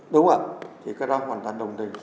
đúng ạ thì cái đó hoàn toàn đồng tình